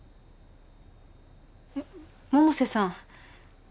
えっ百瀬さん